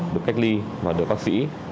được cách ly và được bác sĩ